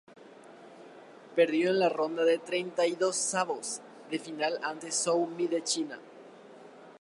Perdió en la ronda de treintaidosavos de final ante Zhou Mi de China.